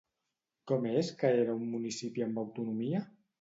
Com és que era un municipi amb autonomia?